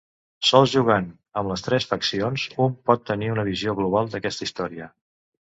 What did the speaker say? Sols jugant amb les tres faccions un pot tenir una visió global d'aquesta història.